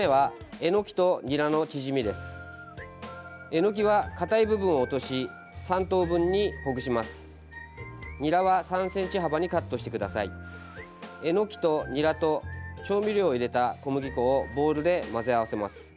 えのきとにらと調味料を入れた小麦粉をボウルで混ぜ合わせます。